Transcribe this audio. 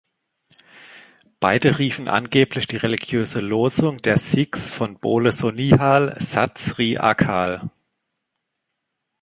Beide riefen angeblich die religiöse Losung der Sikhs von Bole So Nihal, Sat Sri Akal!!